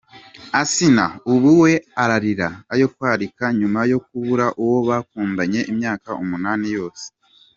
Asnah ubu we ararira ayo kwakira nyuma yo kubura uwo bakundanye imyaka umunani yose.